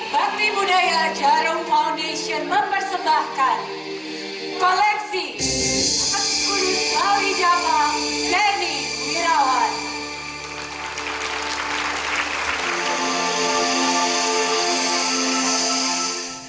bakti budaya jarum foundation mempersembahkan koleksi atas budi bauri jawa denny wirawan